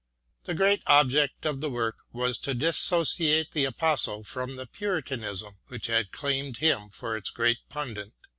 The great object of the work was to dissociate the Apostle from the Puritanism which had claimed him for its great pundit.